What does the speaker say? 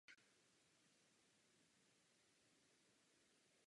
Kromě toho je také velice důležitá její stabilita.